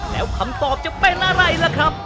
แล้วคำตอบจะเป็นอะไรล่ะครับ